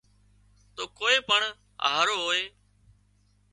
تو ڪوئي پڻ هاهرو هوئي